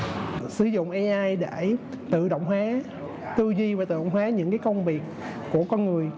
sử dụng ai để tự động hóa tư duy và tự động hóa những công việc của con người